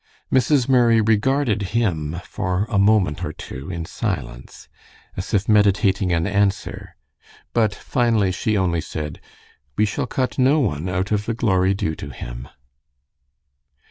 Mrs. Murray regarded him for a moment or two in silence, as if meditating an answer, but finally she only said, "We shall cut no one out of the glory due to him."